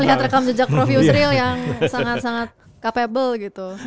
melihat rekam jejak prof yusril yang sangat sangat capable gitu